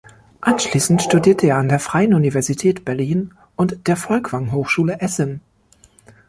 Anschließend studierte er an der Freien Universität Berlin und der Folkwang Hochschule Essen.